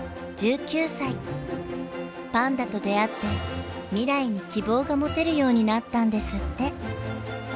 パンダと出会って未来に希望が持てるようになったんですって。